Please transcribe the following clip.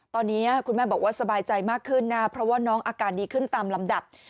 ตอนนี้คุณแม่บอกว่าสบายใจมากขึ้นนะเพราะว่าน้องอาการดีขึ้นตามลำดับ